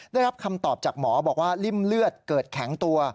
ได้รับคำตอบจากหมอบอกว่าริ่มเลือดเกิดแข็งตัว